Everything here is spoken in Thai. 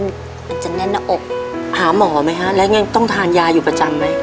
มันจะแน่นหน้าอกหาหมอไหมฮะแล้วยังต้องทานยาอยู่ประจำไหม